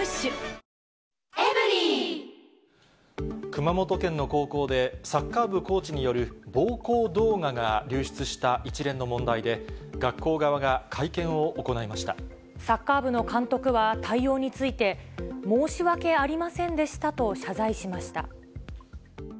熊本県の高校で、サッカー部コーチによる暴行動画が流出した一連の問題で、学校側サッカー部の監督は対応について、申し訳ありませんでしたと謝罪しました。